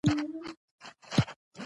هم انځور شوي لکه د پګړیو تړل دود